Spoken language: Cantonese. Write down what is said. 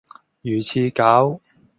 魚翅餃